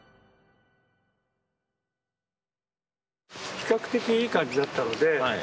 比較的いい感じだったので。